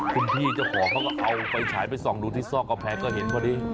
คุณพี่เจ้าของเขาก็เอาไฟฉายไปส่องดูที่ซอกกำแพงก็เห็นพอดี